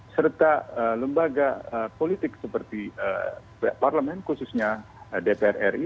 serta lembaga politik seperti parlemen khususnya depokrasi